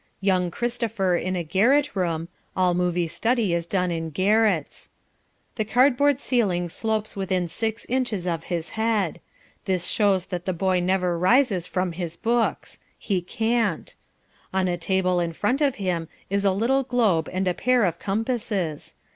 Young Christopher in a garret room (all movie study is done in garrets). The cardboard ceiling slopes within six inches of his head. This shows that the boy never rises from his books. He can't. On a table in front of him is a little globe and a pair of compasses.